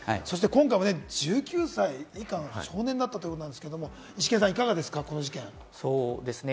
今回、１９歳以下の少年だったということですが、イシケンさんいかがですか？